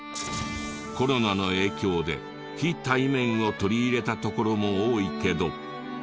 コロナの影響で非対面を取り入れたところも多いけど。